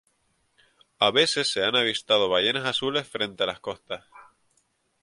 A veces se han avistado ballenas azules frente a las costas.